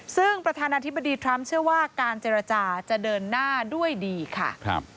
ซึ่งประธานาธิบดีทรัมป์เชื่อว่าการเจรจาจะเดินหน้าด้วยดีค่ะ